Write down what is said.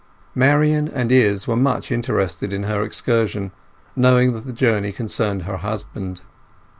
Marian and Izz were much interested in her excursion, knowing that the journey concerned her husband.